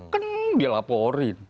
kan dia laporin